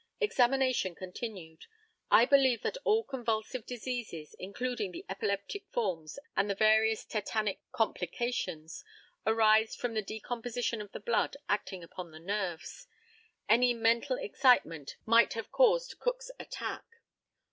Examination continued. I believe that all convulsive diseases, including the epileptic forms and the various tetanic complications, arise from the decomposition of the blood acting upon the nerves. Any mental excitement might have caused Cook's attack.